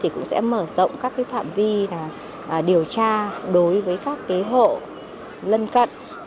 cũng sẽ mở rộng các phạm vi điều tra đối với các hộ lân cận